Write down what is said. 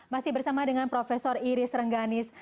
masih bersama dengan prof iris rengganis